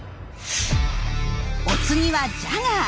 お次はジャガー。